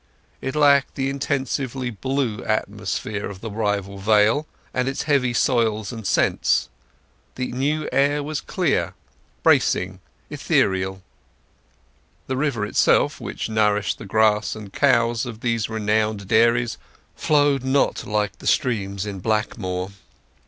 It lacked the intensely blue atmosphere of the rival vale, and its heavy soils and scents; the new air was clear, bracing, ethereal. The river itself, which nourished the grass and cows of these renowned dairies, flowed not like the streams in Blackmoor.